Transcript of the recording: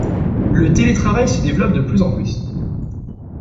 Le télétravail se développe de plus en plus.